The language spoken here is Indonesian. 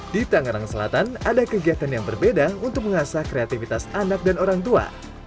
di tangerang selatan ada kegiatan yang berbeda untuk mengasah kreativitas anak dan orang tua